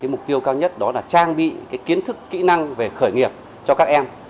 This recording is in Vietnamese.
mục tiêu cao nhất đó là trang bị kiến thức kỹ năng về khởi nghiệp cho các em